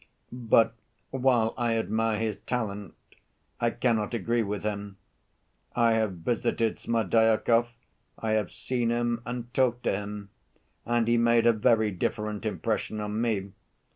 But while I admire his talent I cannot agree with him. I have visited Smerdyakov, I have seen him and talked to him, and he made a very different impression on me.